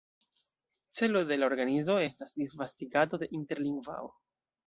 Celo de la organizo estas disvastigado de interlingvao.